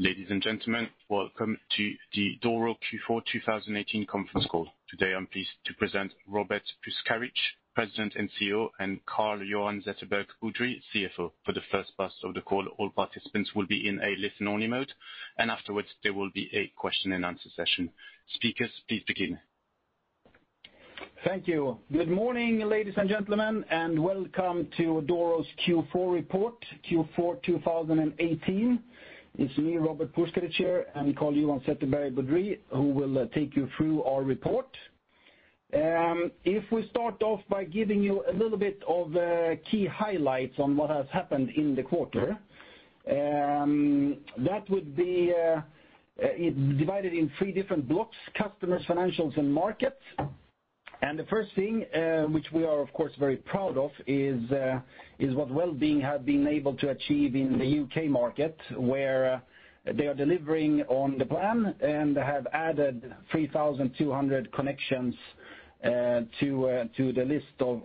Ladies and gentlemen, welcome to the Doro Q4 2018 conference call. Today, I'm pleased to present Robert Puškarić, President and CEO, and Carl-Johan Zetterberg Boudrie, CFO. For the first part of the call, all participants will be in a listen-only mode. Afterwards, there will be a question and answer session. Speakers, please begin. Thank you. Good morning, ladies and gentlemen, welcome to Doro's Q4 report, Q4 2018. It's me, Robert Puškarić here, and Carl-Johan Zetterberg Boudrie, who will take you through our report. If we start off by giving you a little bit of the key highlights on what has happened in the quarter, that would be divided in three different blocks: customers, financials, and markets. The first thing, which we are of course very proud of, is what Welbeing has been able to achieve in the U.K. market, where they are delivering on the plan and have added 3,200 connections to the list of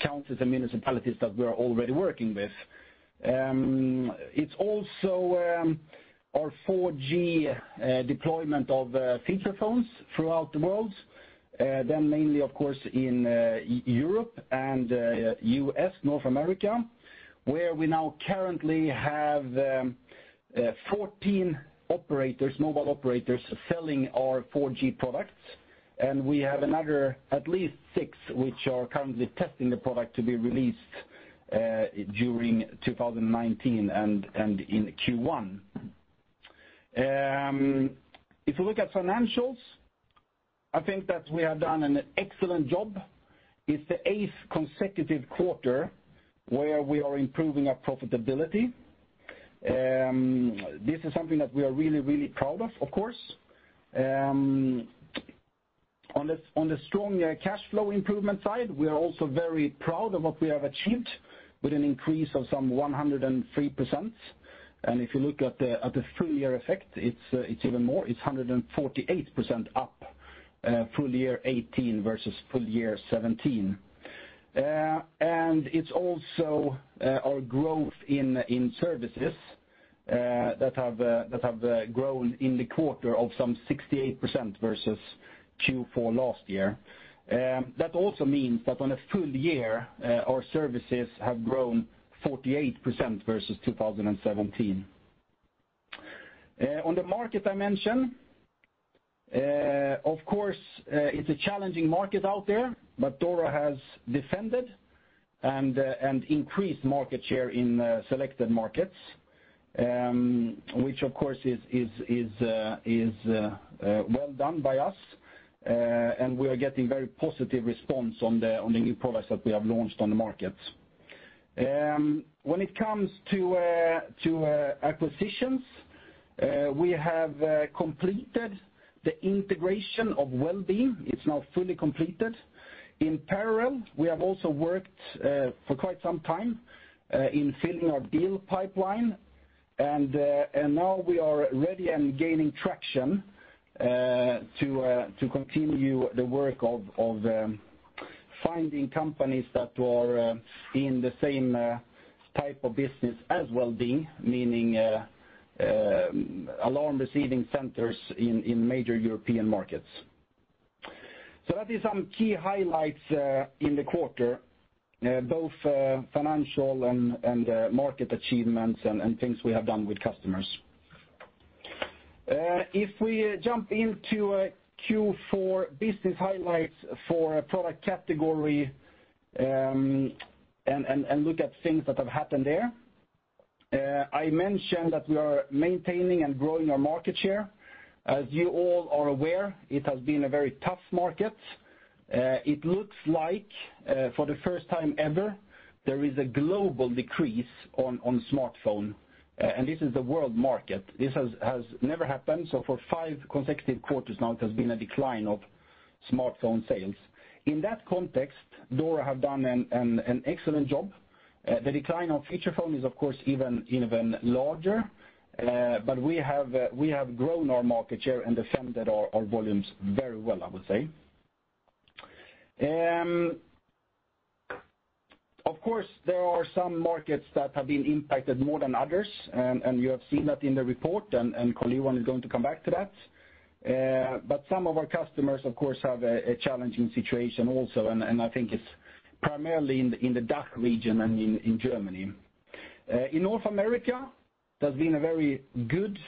counties and municipalities that we're already working with. It's also our 4G deployment of feature phones throughout the world, mainly, of course, in Europe and U.S., North America, where we now currently have 14 mobile operators selling our 4G products. We have another at least six which are currently testing the product to be released during 2019 and in Q1. If you look at financials, I think that we have done an excellent job. It's the eighth consecutive quarter where we are improving our profitability. This is something that we are really, really proud of course. On the strong cash flow improvement side, we are also very proud of what we have achieved with an increase of some 103%. If you look at the full-year effect, it's even more, it's 148% up full year 2018 versus full year 2017. It's also our growth in services that have grown in the quarter of some 68% versus Q4 last year. That also means that on a full year, our services have grown 48% versus 2017. On the market dimension, of course, it's a challenging market out there. Doro has defended and increased market share in selected markets, which of course is well done by us. We are getting very positive response on the new products that we have launched on the market. When it comes to acquisitions, we have completed the integration of Welbeing. It's now fully completed. In parallel, we have also worked for quite some time in filling our deal pipeline. Now we are ready and gaining traction to continue the work of finding companies that are in the same type of business as Welbeing, meaning alarm receiving centers in major European markets. That is some key highlights in the quarter, both financial and market achievements and things we have done with customers. If we jump into Q4 business highlights for product category, and look at things that have happened there. I mentioned that we are maintaining and growing our market share. As you all are aware, it has been a very tough market. It looks like for the first time ever, there is a global decrease on smartphone, and this is the world market. This has never happened. For five consecutive quarters now, it has been a decline of smartphone sales. In that context, Doro have done an excellent job. The decline of feature phone is, of course, even larger. We have grown our market share and defended our volumes very well, I would say. Of course, there are some markets that have been impacted more than others, and you have seen that in the report, and Carl-Johan is going to come back to that. Some of our customers, of course, have a challenging situation also, and I think it's primarily in the DACH region and in Germany. In North America, there's been a very good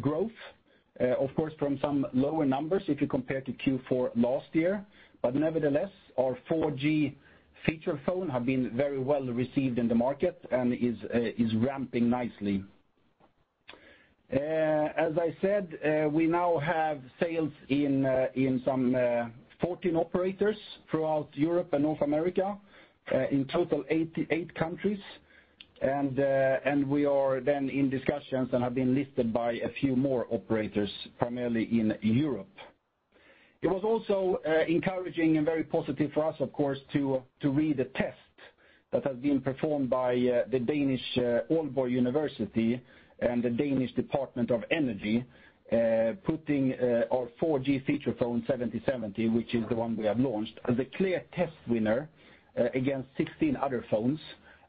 growth, of course, from some lower numbers if you compare to Q4 last year. Nevertheless, our 4G feature phone have been very well received in the market and is ramping nicely. As I said, we now have sales in some 14 operators throughout Europe and North America. In total, 88 countries. We are then in discussions and have been listed by a few more operators, primarily in Europe. It was also encouraging and very positive for us, of course, to read a test that has been performed by the Danish Aalborg University and the Danish Department of Energy, putting our 4G feature phone 7070, which is the one we have launched, as the clear test winner against 16 other phones.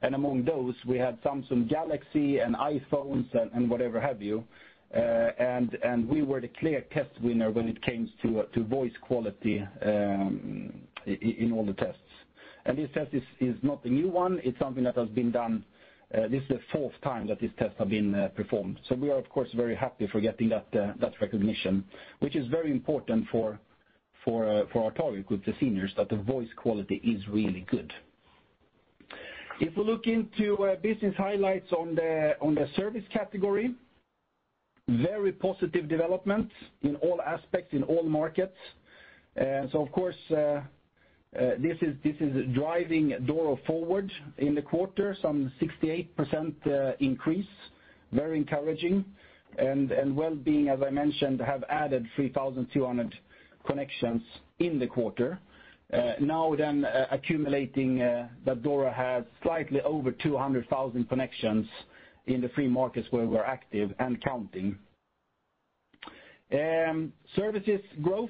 Among those we had Samsung Galaxy and iPhones and whatever have you. We were the clear test winner when it came to voice quality in all the tests. This test is not a new one. It's something that has been done. This is the fourth time that this test has been performed. We are of course very happy for getting that recognition, which is very important for our target group, the seniors, that the voice quality is really good. If we look into business highlights on the service category, very positive development in all aspects, in all markets. Of course, this is driving Doro forward in the quarter. Some 68% increase, very encouraging, and Welbeing, as I mentioned, have added 3,200 connections in the quarter. Accumulating that Doro has slightly over 200,000 connections in the three markets where we're active and counting. Services growth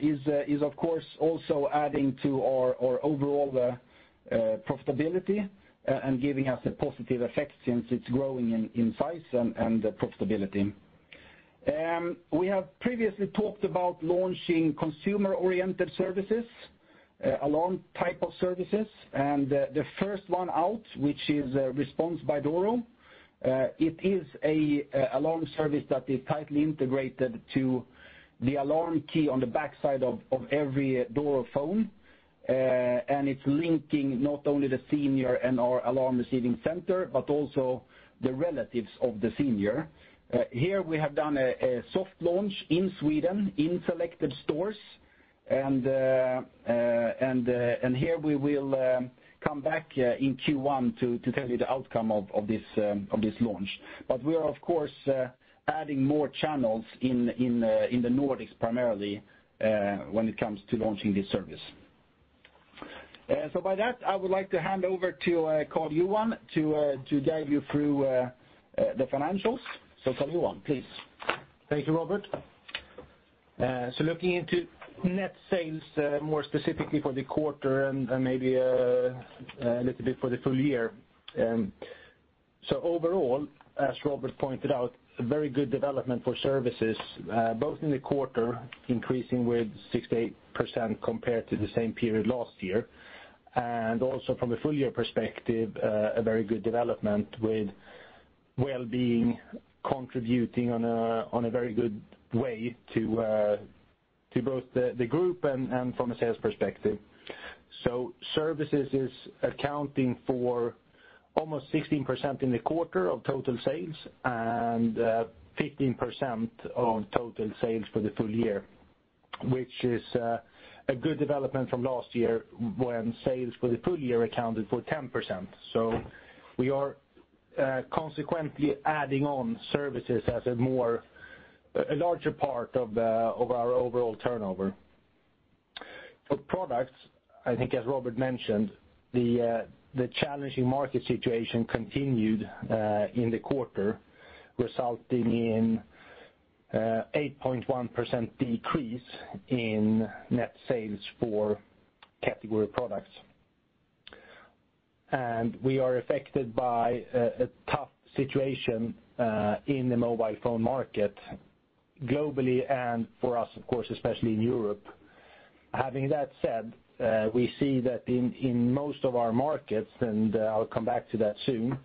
is of course also adding to our overall profitability and giving us a positive effect since it's growing in size and profitability. We have previously talked about launching consumer-oriented services, alarm type of services, and the first one out, which is Response by Doro. It is an alarm service that is tightly integrated to the alarm key on the backside of every Doro phone. It's linking not only the senior and our alarm receiving center, but also the relatives of the senior. Here we have done a soft launch in Sweden in selected stores. Here we will come back in Q1 to tell you the outcome of this launch. We are of course, adding more channels in the Nordics primarily, when it comes to launching this service. With that, I would like to hand over to Carl-Johan to guide you through the financials. Carl-Johan, please. Thank you, Robert. Looking into net sales, more specifically for the quarter and maybe a little bit for the full year. Overall, as Robert pointed out, a very good development for services, both in the quarter increasing with 68% compared to the same period last year. Also from a full-year perspective, a very good development with Welbeing contributing on a very good way to both the group and from a sales perspective. Services is accounting for almost 16% in the quarter of total sales and 15% of total sales for the full year, which is a good development from last year when sales for the full year accounted for 10%. We are consequently adding on services as a larger part of our overall turnover. For products, I think as Robert mentioned, the challenging market situation continued in the quarter, resulting in 8.1% decrease in net sales for category products. We are affected by a tough situation in the mobile phone market globally and for us, of course, especially in Europe. Having that said, we see that in most of our markets, and I'll come back to that soon,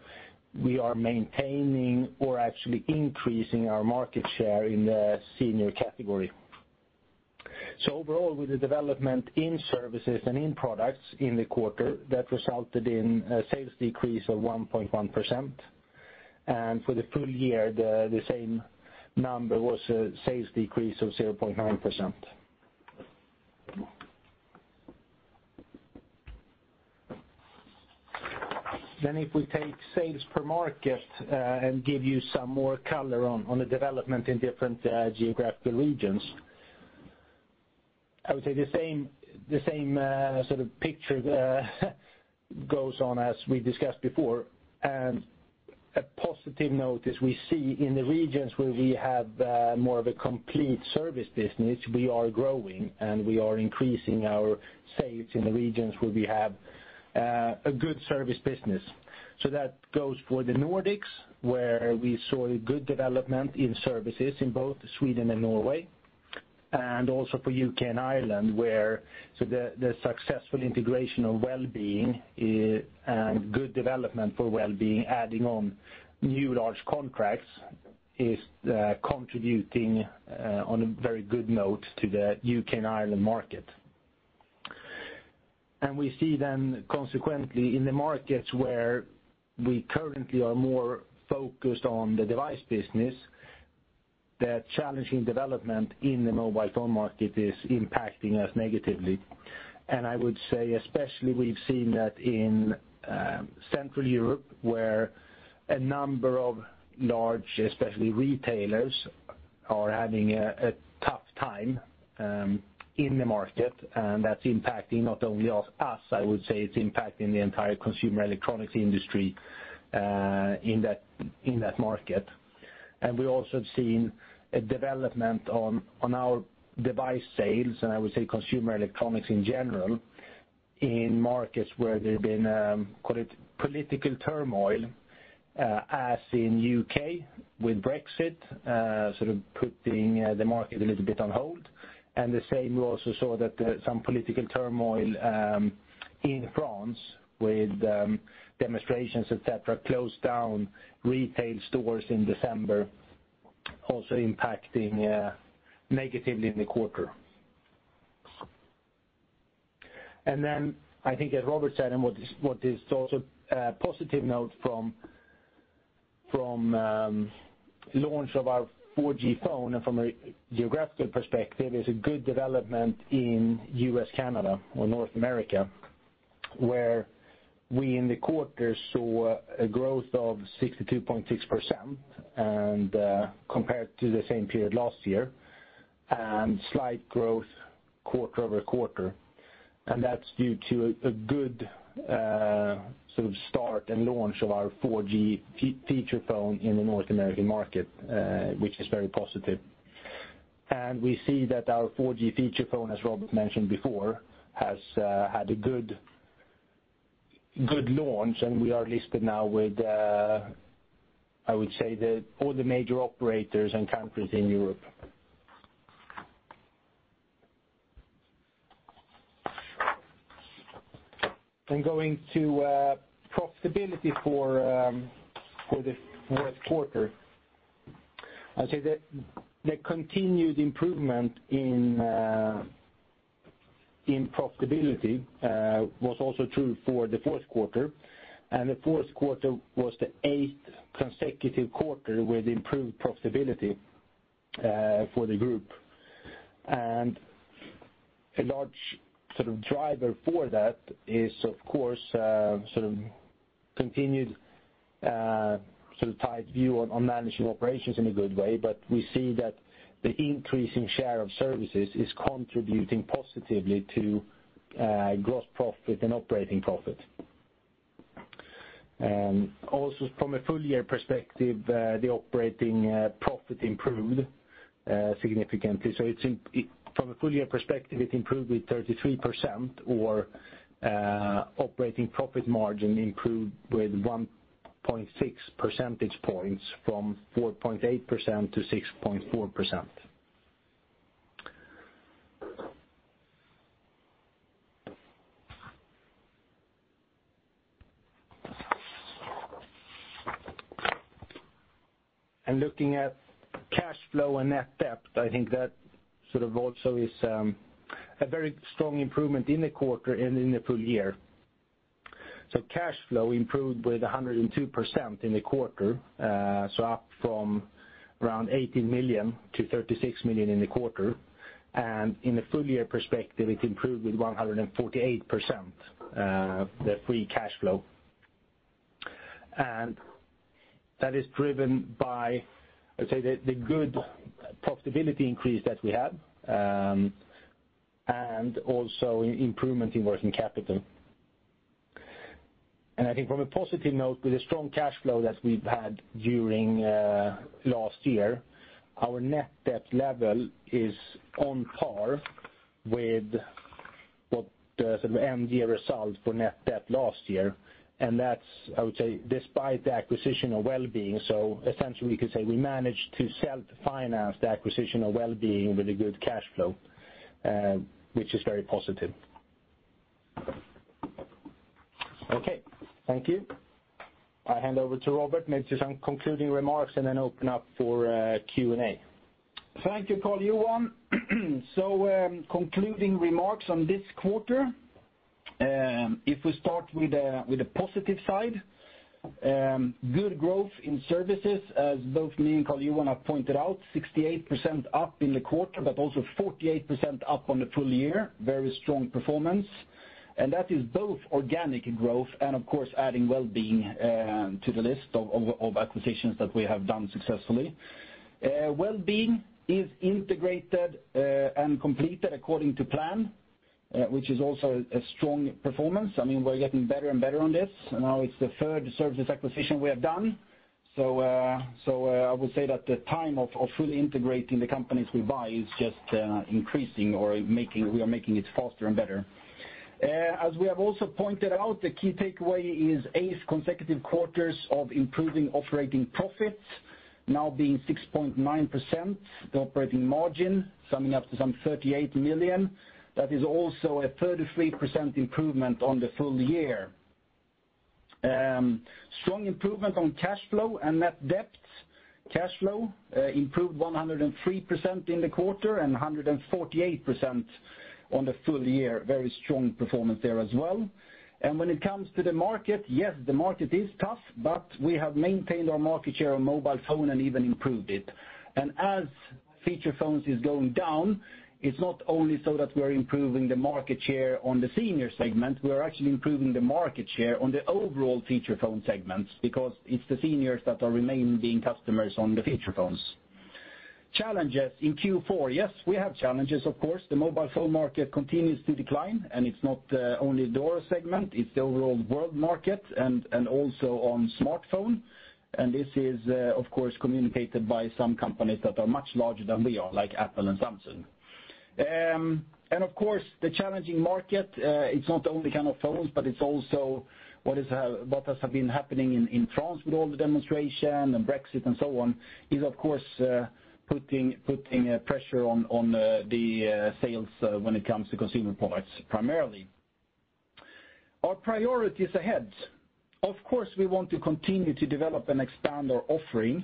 we are maintaining or actually increasing our market share in the senior category. Overall, with the development in services and in products in the quarter, that resulted in a sales decrease of 1.1%. For the full year, the same number was a sales decrease of 0.9%. If we take sales per market, and give you some more color on the development in different geographical regions. I would say the same sort of picture goes on as we discussed before, a positive note is we see in the regions where we have more of a complete service business, we are growing, and we are increasing our sales in the regions where we have a good service business. That goes for the Nordics, where we saw a good development in services in both Sweden and Norway. Also for U.K. and Ireland, where the successful integration of Welbeing and good development for Welbeing adding on new large contracts is contributing on a very good note to the U.K. and Ireland market. We see consequently in the markets where we currently are more focused on the device business, that challenging development in the mobile phone market is impacting us negatively. I would say, especially, we've seen that in Central Europe, where a number of large, especially retailers, are having a tough time in the market, and that's impacting not only us, I would say it's impacting the entire consumer electronics industry in that market. We also have seen a development on our device sales, and I would say consumer electronics in general, in markets where there's been, call it political turmoil, as in U.K. with Brexit, sort of putting the market a little bit on hold. The same, we also saw that some political turmoil in France with demonstrations, et cetera, closed down retail stores in December, also impacting negatively in the quarter. I think as Robert said, and what is also a positive note from launch of our 4G phone and from a geographical perspective, is a good development in U.S., Canada or North America, where we in the quarter saw a growth of 62.6% compared to the same period last year, and slight growth quarter-over-quarter. That's due to a good start and launch of our 4G feature phone in the North American market, which is very positive. We see that our 4G feature phone, as Robert mentioned before, has had a good launch and we are listed now with, I would say the all the major operators and countries in Europe. Going to profitability for this fourth quarter. I'd say the continued improvement in profitability, was also true for the fourth quarter. The fourth quarter was the eighth consecutive quarter with improved profitability for the group. A large driver for that is of course continued tight view on managing operations in a good way, but we see that the increase in share of services is contributing positively to gross profit and operating profit. Also, from a full-year perspective, the operating profit improved significantly. From a full-year perspective, it improved with 33% or operating profit margin improved with 1.6 percentage points from 4.8%-6.4%. Looking at cash flow and net debt, I think that sort of also is a very strong improvement in the quarter and in the full year. Cash flow improved with 102% in the quarter, so up from around 18 million-36 million in the quarter. In a full-year perspective, it improved with 148%, the free cash flow. That is driven by, I'd say the good profitability increase that we had, and also improvement in working capital. I think from a positive note, with the strong cash flow that we've had during last year, our net debt level is on par with what the end year result for net debt last year. That's, I would say, despite the acquisition of Welbeing. Essentially, we could say we managed to self-finance the acquisition of Welbeing with a good cash flow, which is very positive. Okay. Thank you. I hand over to Robert to make some concluding remarks and then open up for Q&A. Thank you, Carl-Johan. Concluding remarks on this quarter. If we start with the positive side. Good growth in services as both me and Carl-Johan have pointed out, 68% up in the quarter, but also 48% up on the full year, very strong performance. That is both organic growth and of course adding Welbeing to the list of acquisitions that we have done successfully. Welbeing is integrated and completed according to plan, which is also a strong performance. We are getting better and better on this. Now it is the third services acquisition we have done. I would say that the time of fully integrating the companies we buy is just increasing or we are making it faster and better. As we have also pointed out, the key takeaway is eighth consecutive quarters of improving operating profits now being 6.9%, the operating margin summing up to some 38 million. That is also a 33% improvement on the full year. Strong improvement on cash flow and net debt. Cash flow improved 103% in the quarter and 148% on the full year. Very strong performance there as well. When it comes to the market, yes, the market is tough, but we have maintained our market share on mobile phone and even improved it. As feature phones is going down, it is not only so that we are improving the market share on the senior segment, we are actually improving the market share on the overall feature phone segments because it is the seniors that are remaining being customers on the feature phones. Challenges in Q4. Yes, we have challenges, of course. The mobile phone market continues to decline, it is not only Doro segment, it is the overall world market and also on smartphone. This is, of course, communicated by some companies that are much larger than we are, like Apple and Samsung. Of course, the challenging market, it is not only kind of phones, but it is also what has been happening in France with all the demonstration and Brexit and so on, is of course putting pressure on the sales when it comes to consumer products primarily. Our priorities ahead. Of course, we want to continue to develop and expand our offering,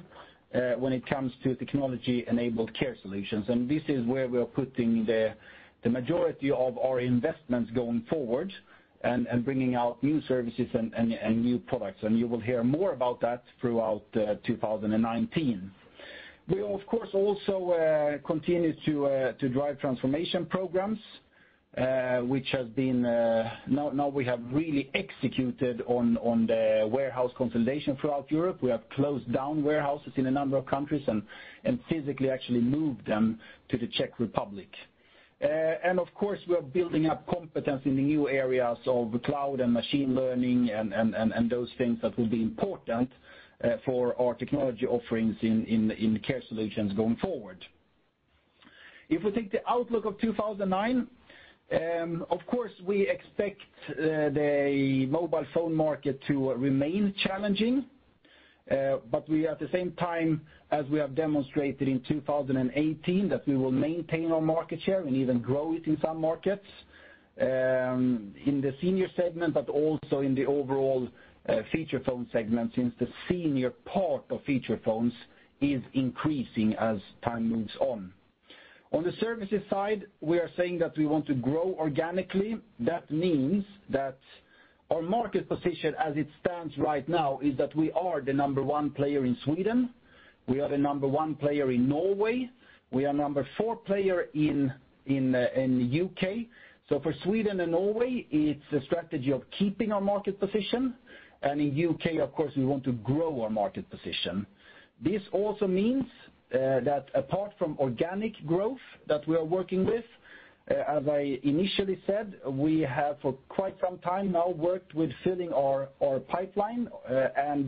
when it comes to technology-enabled care solutions. This is where we are putting the majority of our investments going forward and bringing out new services and new products. You will hear more about that throughout 2019. We of course also continue to drive transformation programs, which has been. Now we have really executed on the warehouse consolidation throughout Europe. We have closed down warehouses in a number of countries and physically actually moved them to the Czech Republic. Of course, we are building up competence in the new areas of cloud and machine learning and those things that will be important for our technology offerings in care solutions going forward. If we take the outlook of 2019, of course, we expect the mobile phone market to remain challenging. We at the same time, as we have demonstrated in 2018, that we will maintain our market share and even grow it in some markets, in the senior segment, but also in the overall feature phone segment, since the senior part of feature phones is increasing as time moves on. On the services side, we are saying that we want to grow organically. That means that our market position as it stands right now, is that we are the number one player in Sweden. We are the number one player in Norway. We are number four player in U.K. For Sweden and Norway, it's a strategy of keeping our market position. In U.K., of course, we want to grow our market position. This also means that apart from organic growth that we are working with, as I initially said, we have for quite some time now worked with filling our pipeline, and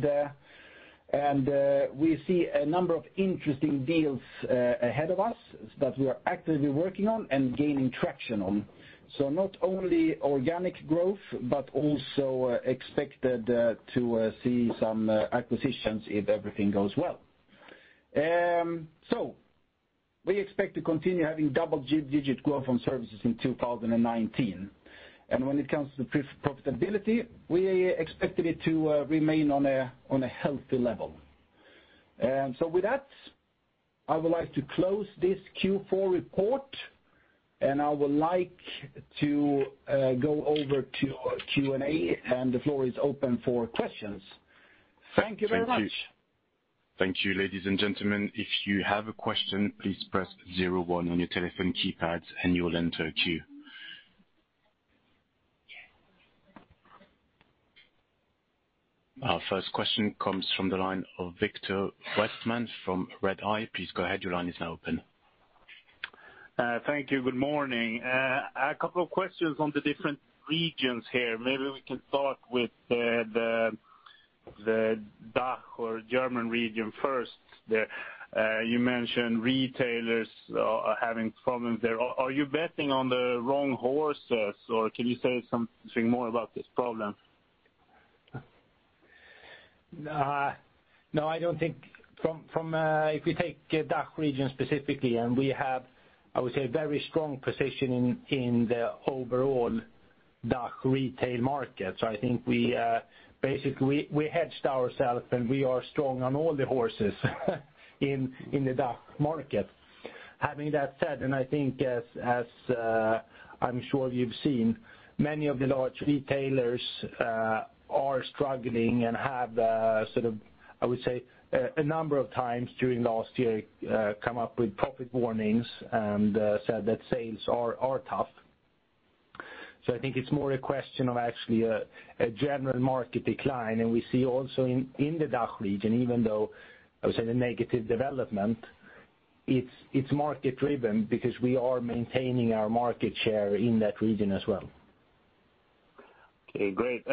we see a number of interesting deals ahead of us that we are actively working on and gaining traction on. Not only organic growth, but also expected to see some acquisitions if everything goes well. We expect to continue having double-digit growth on services in 2019. When it comes to profitability, we expected it to remain on a healthy level. With that, I would like to close this Q4 report, and I would like to go over to Q&A, and the floor is open for questions. Thank you very much. Thank you. Thank you, ladies and gentlemen. If you have a question, please press zero one on your telephone keypads, and you will enter a queue. Our first question comes from the line of Viktor Westman from Redeye. Please go ahead. Your line is now open. Thank you. Good morning. A couple of questions on the different regions here. Maybe we can start with the DACH or German region first. You mentioned retailers are having problems there. Are you betting on the wrong horses, or can you say something more about this problem? If we take DACH region specifically, we have, I would say, a very strong position in the overall DACH retail market. I think we basically hedged ourselves, and we are strong on all the horses in the DACH market. Having that said, I think as I'm sure you've seen, many of the large retailers are struggling and have the sort of, I would say, a number of times during last year, come up with profit warnings and said that sales are tough. I think it's more a question of actually a general market decline. We see also in the DACH region, even though, I would say the negative development, it's market-driven because we are maintaining our market share in that region as well. Okay, great.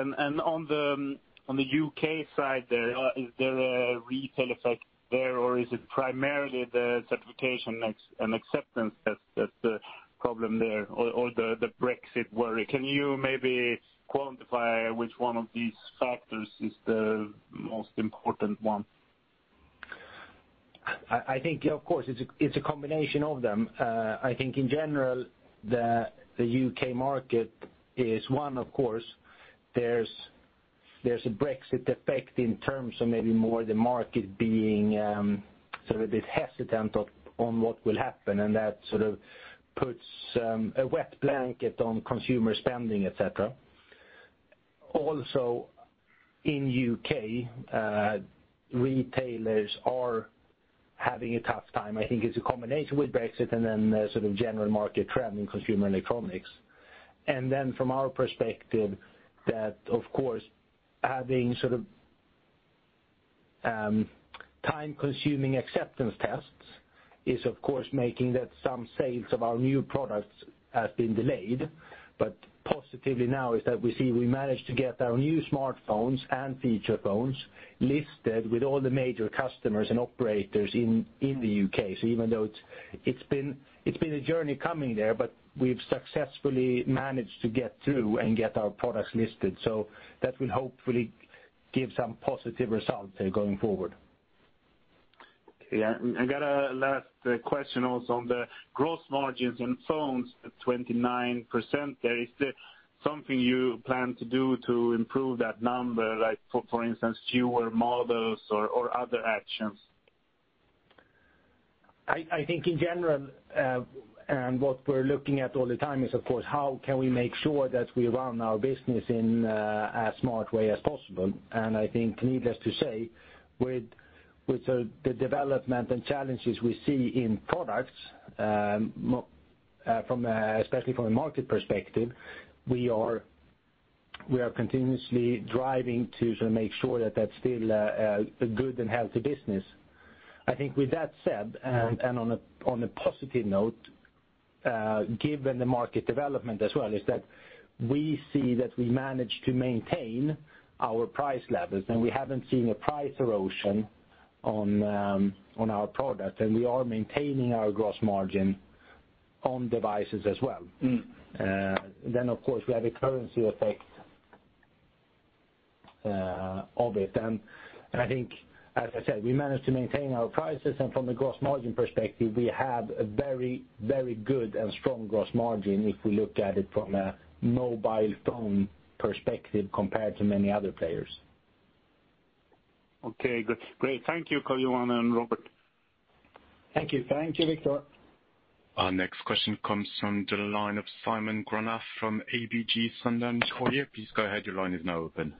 On the U.K. side there, is there a retail effect there, or is it primarily the certification and acceptance that's the problem there, or the Brexit worry? Can you maybe quantify which one of these factors is the most important one? I think, of course, it's a combination of them. I think in general, the U.K. market is one, of course. There's a Brexit effect in terms of maybe more the market being a bit hesitant on what will happen, and that puts a wet blanket on consumer spending, et cetera. Also, in U.K., retailers are having a tough time. I think it's a combination with Brexit and then there's general market trend in consumer electronics. From our perspective, that, of course, having time-consuming acceptance tests is making that some sales of our new products has been delayed. Positively now is that we see we managed to get our new smartphones and feature phones listed with all the major customers and operators in the U.K. Even though it's been a journey coming there, we've successfully managed to get through and get our products listed. That will hopefully give some positive results there going forward. Okay. Yeah. I got a last question also on the gross margins and phones at 29%, is there something you plan to do to improve that number? For instance, fewer models or other actions? I think in general, and what we're looking at all the time is, of course, how can we make sure that we run our business in as smart way as possible. I think needless to say, with the development and challenges we see in products, especially from a market perspective, we are continuously driving to make sure that that's still a good and healthy business. I think with that said, and on a positive note, given the market development as well, is that we see that we manage to maintain our price levels, and we haven't seen a price erosion on our product, and we are maintaining our gross margin on devices as well. Of course, we have a currency effect of it. I think, as I said, we managed to maintain our prices, and from the gross margin perspective, we have a very good and strong gross margin if we look at it from a mobile phone perspective compared to many other players. Okay, good. Great. Thank you, Carl-Johan and Robert. Thank you. Thank you, Viktor. Our next question comes from the line of Simon Granath from ABG Sundal Collier. Please go ahead, your line is now open.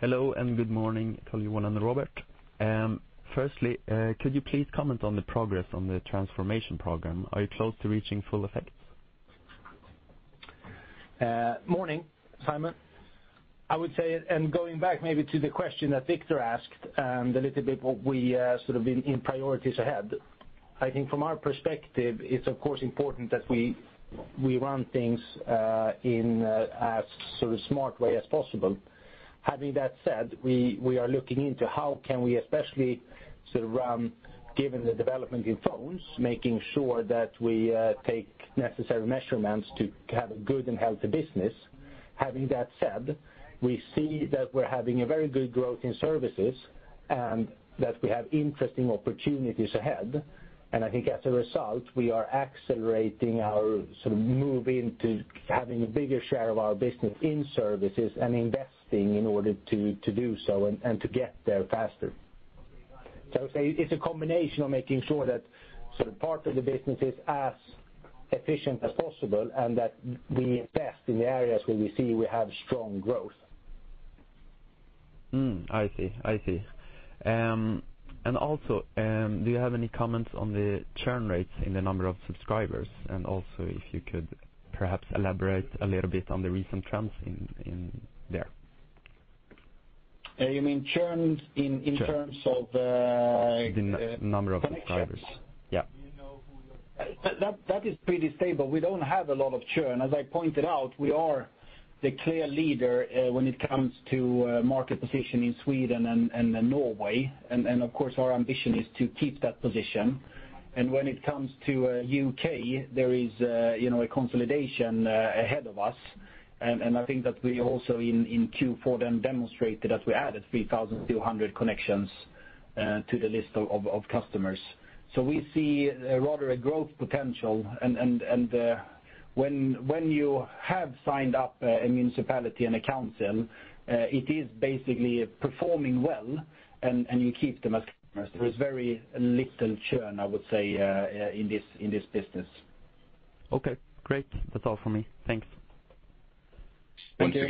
Hello, good morning, Carl-Johan, and Robert. Firstly, could you please comment on the progress on the transformation program? Are you close to reaching full effects? Morning, Simon. I would say, going back maybe to the question that Viktor asked, a little bit what we in priorities ahead. I think from our perspective, it's of course important that we run things in as smart way as possible. Having that said, we are looking into how can we especially run, given the development in phones, making sure that we take necessary measurements to have a good and healthy business. Having that said, we see that we're having a very good growth in services and that we have interesting opportunities ahead. I think as a result, we are accelerating our move into having a bigger share of our business in services and investing in order to do so and to get there faster. I would say it's a combination of making sure that part of the business is as efficient as possible and that we invest in the areas where we see we have strong growth. I see. Also, do you have any comments on the churn rates in the number of subscribers? Also if you could perhaps elaborate a little bit on the recent trends in there. You mean churn in terms of. Churn. The number of subscribers. Yeah. That is pretty stable. We don't have a lot of churn. As I pointed out, we are the clear leader when it comes to market position in Sweden and Norway. Of course, our ambition is to keep that position. When it comes to U.K., there is a consolidation ahead of us. I think that we also in Q4 then demonstrated that we added 3,200 connections to the list of customers. We see rather a growth potential, and when you have signed up a municipality and a council, it is basically performing well, and you keep them as customers. There is very little churn, I would say, in this business. Okay, great. That's all for me. Thanks. Thank you.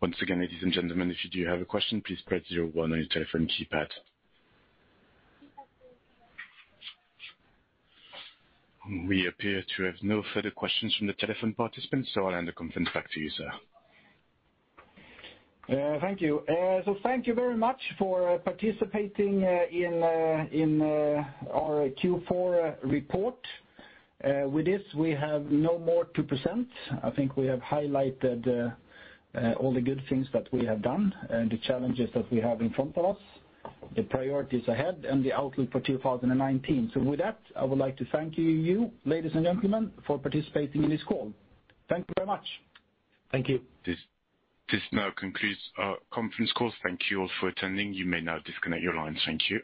Once again, ladies and gentlemen, if you do have a question, please press zero one on your telephone keypad. We appear to have no further questions from the telephone participants, I'll hand the conference back to you, sir. Thank you. Thank you very much for participating in our Q4 report. With this, we have no more to present. I think we have highlighted all the good things that we have done and the challenges that we have in front of us, the priorities ahead, and the outlook for 2019. With that, I would like to thank you, ladies and gentlemen, for participating in this call. Thank you very much. Thank you. This now concludes our conference call. Thank you all for attending. You may now disconnect your lines. Thank you.